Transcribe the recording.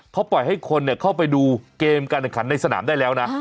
เขาปล่อยให้คนเข้าไปดูเกมการแข่งขันในสนามได้แล้วนะ